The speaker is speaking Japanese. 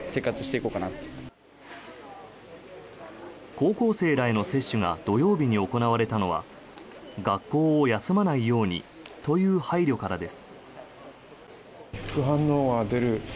高校生らへの接種が土曜日に行われたのは学校を休まないようにという配慮からです。